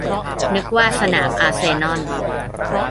- นึกว่าสนามอาร์เซนอล